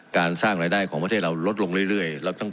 การสร้างรายได้ของประเทศเราลดลงเรื่อย